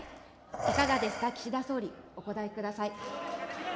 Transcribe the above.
いかがですか、岸田総理、お答えください。